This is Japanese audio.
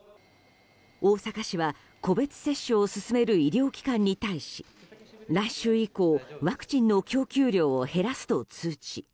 大阪市は個別接種を進める医療機関に対し来週以降、ワクチンの供給量を減らすと通知。